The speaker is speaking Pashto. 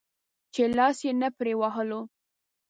چې لاس يې نه پرې وهلو.